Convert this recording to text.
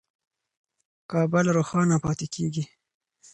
کابل روښانه پاتې کېږي.